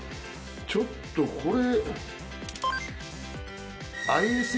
ちょっとこれ。